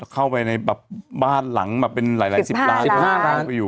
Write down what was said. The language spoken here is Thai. เข้าไปในบ้านหลังมาเป็นหลายสิบล้าน